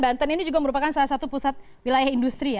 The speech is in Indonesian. banten ini juga merupakan salah satu pusat wilayah industri ya